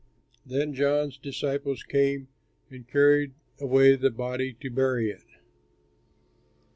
Then John's disciples came and carried away the body to bury it.